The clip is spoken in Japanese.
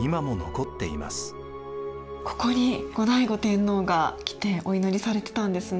ここに後醍醐天皇が来てお祈りされてたんですね。